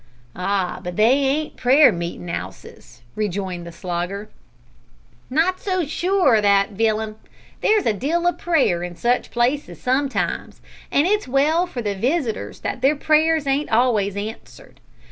"Ah, but they ain't prayer meetin' 'ouses," rejoined the Slogger. "Not so sure o' that Villum. There's a deal o' prayer in such places sometimes, an' it's well for the wisitors that their prayers ain't always answered.